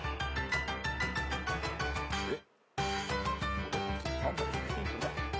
えっ？